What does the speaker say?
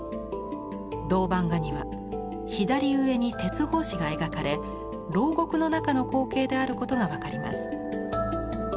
銅版画には左上に鉄格子が描かれ牢獄の中の光景であることが分かります。